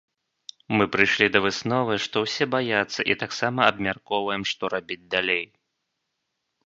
Мы прыйшлі да высновы, што ўсе баяцца і таксама абмяркоўваем, што рабіць далей.